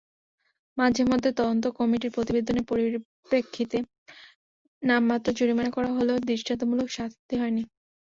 মাঝেমধ্যে তদন্ত কমিটির প্রতিবেদনের পরিপ্রেক্ষিতে নামমাত্র জরিমানা করা হলেও দৃষ্টান্তমূলক শাস্তি হয়নি।